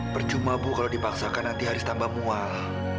perjumah bu kalau dipaksakan nanti haris tambah mual